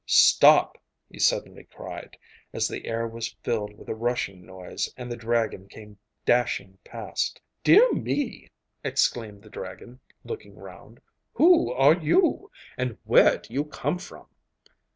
'Stop!' he suddenly cried, as the air was filled with a rushing noise, and the dragon came dashing past. 'Dear me!' exclaimed the dragon, looking round. 'Who are you, and where do you come from?